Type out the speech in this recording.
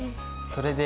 それで。